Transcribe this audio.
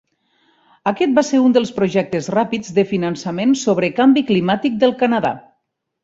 Aquest va ser un dels projectes ràpids de finançament sobre canvi climàtic del Canadà.